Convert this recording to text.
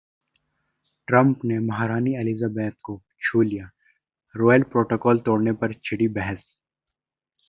Trump ने महारानी Elizabeth को छू लिया, रॉयल प्रोटोकॉल तोड़ने पर छिड़ी बहस